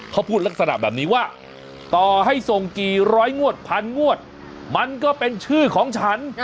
เขาพูดลักษณะแบบนี้ว่าต่อให้ส่งกี่ร้อยงวดพันงวดมันก็เป็นชื่อของฉัน